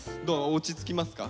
落ち着きますか？